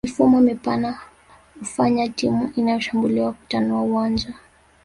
Mifumo mipana hufanya timu inayoshambulia kutanua uwanja